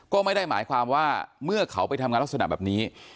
ก็ไม่ได้หมายความว่าเมื่อเขาไปทำงานลักษณะแบบนี้